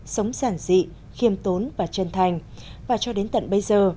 sống giản dị khiêm tốn và chân thành và cho đến tận bây giờ